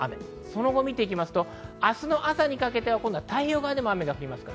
その後を見ていくと明日の朝にかけて太平洋側でも雨が降ります。